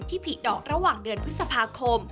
ผลิดอกระหว่างเดือนพฤษภาคม